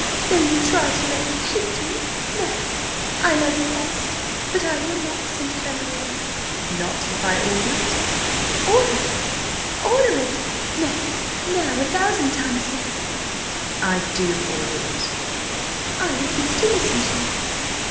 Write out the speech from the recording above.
Though you try to make me hate you. No! I love you best. But I will not send Harry away!" "Not if I order it?" "Order it? Order it? No! No! A thousand times no!" "I do order it!" "And I refuse to listen to you!"